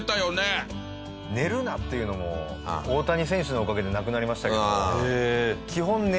寝るなっていうのも大谷選手のおかげでなくなりましたけど。